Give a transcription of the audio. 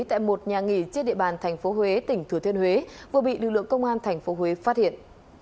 tại một nhà nghỉ trên địa bàn tp huế tỉnh thừa thiên huế vừa bị lực lượng công an tp huế phát hiện